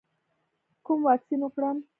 کوم واکسین وکړم؟